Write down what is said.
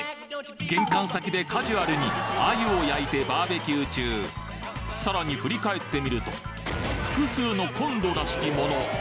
玄関先でカジュアルに鮎を焼いてバーベキュー中さらに振り返ってみると複数のコンロらしきもの